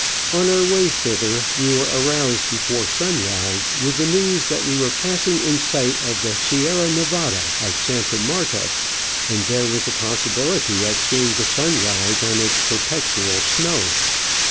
On our way thither we were aroused before sunrise with the news that we were passing in sight of the Sierra Nevada of Santa Marta, and there was a possibility of seeing the sun rise on its perpetual snow.